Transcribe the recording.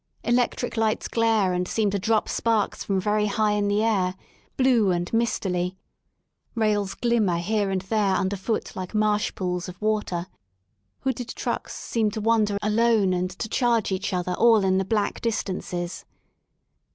Electric lights glare and seem to drop sparks from very high in the air, blue and mistily; rails glimmer here and there underfoot like marsh pools of water ; hooded trucks seem to wander alone and to charge each other in all the black distances.